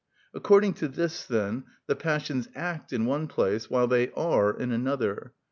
According to this, then, the passions act in one place while they are in another.